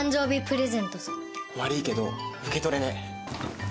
悪いけど、受け取れねえ。